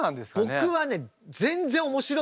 僕はねえ！